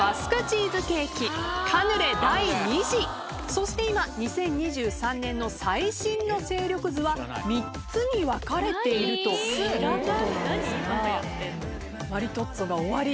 そして今２０２３年の最新の勢力図は３つに分かれているということなんですがマリトッツォが終わり。